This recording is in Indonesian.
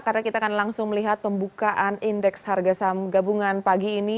karena kita akan langsung melihat pembukaan indeks harga saham gabungan pagi ini